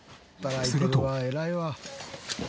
すると。